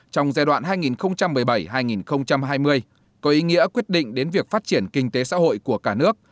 trong giai đoạn hai nghìn một mươi bảy hai nghìn hai mươi có ý nghĩa quyết định đến việc phát triển kinh tế xã hội của cả nước